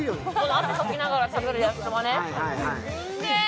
汗かきながら食べる焼きそばね。